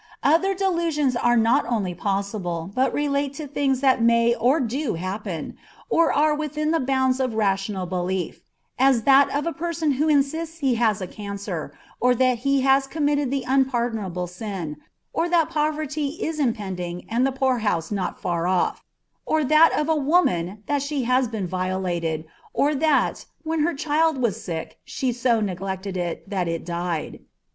Other delusions are not only possible, but relate to things that may or do happen, or are within the bounds of a rational belief, as that of a person who insists he has a cancer, or that he has committed the unpardonable sin, or that poverty is impending and the poorhouse not far off; or that of a woman that she has been violated, or that, when her child was sick she so neglected it, that it died.